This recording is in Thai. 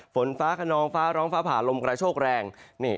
ฝนฟ้าขนองฟ้าร้องฟ้าผ่าลมกระโชกแรง